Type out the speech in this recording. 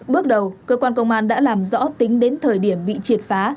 bước đầu cơ quan công an đã làm rõ tính đến thời điểm bị triệt phá